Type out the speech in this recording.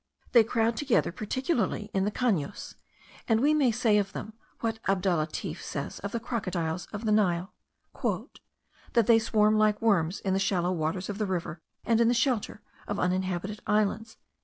They crowd together particularly in the Canos, and we may say of them, what Abdallatif says of the crocodiles of the Nile,* "that they swarm like worms in the shallow waters of the river, and in the shelter of uninhabited islands."